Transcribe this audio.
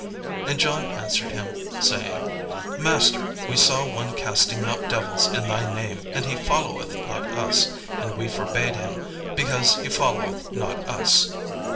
And John answered him, saying, "Master, we saw one casting out devils in thy name, and he followeth not us: and we forbade him, because he followeth not us."